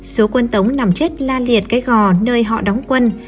số quân tống nằm chết la liệt cái gò nơi họ đóng quân